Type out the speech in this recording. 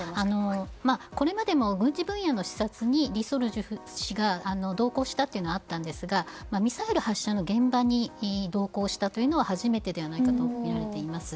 これまでも軍事分野の視察にリ・ソルジュ氏が同行したことはあったんですがミサイル発射の現場に同行したというのは初めてではないかとみられています。